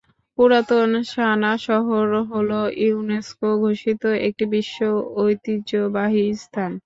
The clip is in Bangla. পুরাতন সানা শহর হল ইউনেস্কো ঘোষিত একটি বিশ্ব ঐতিহ্যবাহী স্থান।